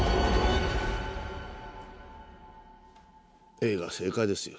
Ａが正解ですよ。